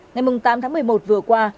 ngày tám tháng một mươi một vừa qua